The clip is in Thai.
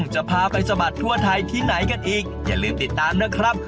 จะพาไปสะบัดทั่วไทยที่ไหนกันอีกอย่าลืมติดตามนะครับ